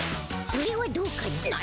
それはどうかな。